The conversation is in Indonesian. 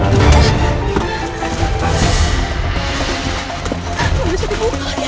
bersama ali ali dan pasukan beast dance